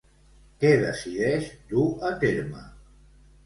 Què decideix dur a terme?